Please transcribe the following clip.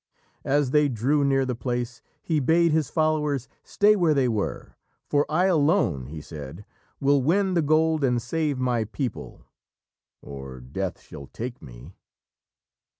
As they drew near the place, he bade his followers stay where they were, "For I alone," he said, "will win the gold and save my people, or Death shall take me."